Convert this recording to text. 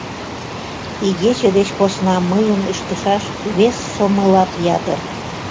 — Игече деч посна мыйын ыштышаш вес сомылат ятыр.